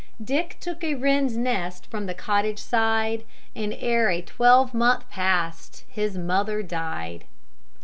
Dick took a wren's nest from the cottage side, And ere a twelvemonth pass'd his mother dy'd!"